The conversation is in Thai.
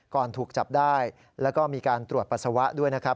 ถูกจับได้แล้วก็มีการตรวจปัสสาวะด้วยนะครับ